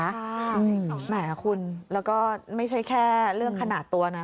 แหมคุณแล้วก็ไม่ใช่แค่เรื่องขนาดตัวนะ